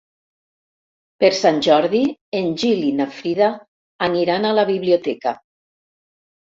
Per Sant Jordi en Gil i na Frida aniran a la biblioteca.